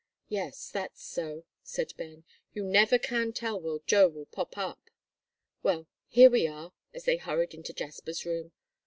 "Yes, that's so," said Ben, "you never can tell where Joe will pop up. Well, here we are," as they hurried into Jasper's room.